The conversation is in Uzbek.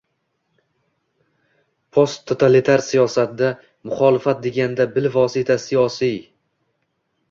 Posttotalitar siyosatda, “muxolifat” deganda, bilvosita siyosiy